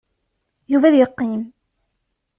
Yuba ad yeqqim.